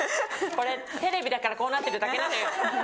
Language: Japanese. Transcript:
これ、テレビだからこうなってるだけなのよ。